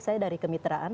saya dari kemitraan